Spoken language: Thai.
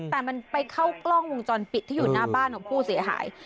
แต่มันไปเข้ากล้องวงจรปิดที่อยู่หน้าบ้านของผู้เสียหาย